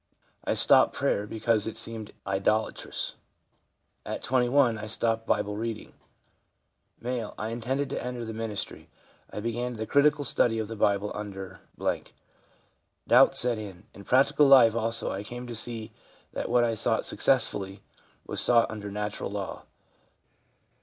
I stopped prayer because it seemed idolatrous. At 21 I stopped Bible reading/ M. ' I intended to enter the ministry. I began the critical study of the Bible under . Doubts set in. In practical life also I came to see that what I sought sticcessfully was sought under natural law.